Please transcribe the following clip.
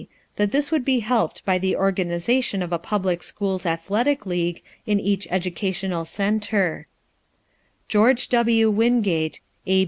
That this would be helped by the organization of a public schools athletic league in each educational center. GEO. W. WINGATE, A.